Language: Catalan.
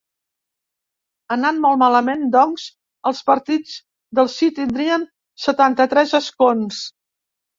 Anant molt malament, doncs, els partits del sí tindrien setanta-tres escons.